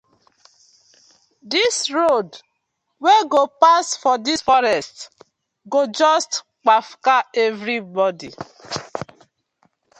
Dis road wey go pass for dis forest go just kpafuka everybodi.